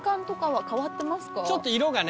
ちょっと色がね